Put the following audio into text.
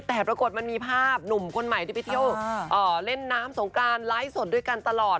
แต่ปรากฏมันมีภาพหนุ่มคนใหม่ที่ไปเที่ยวเล่นน้ำสงกรานไลฟ์สดด้วยกันตลอด